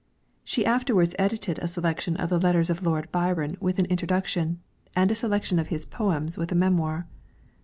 She afterwards edited a selection of the letters of Lord Byron with an introduction, and a selection of his poems with a memoir.